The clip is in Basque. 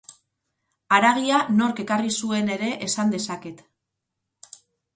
Haragia nork ekarri zuen ere esan dezaket.